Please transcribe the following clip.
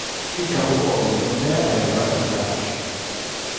Il capoluogo di contea è West Branch.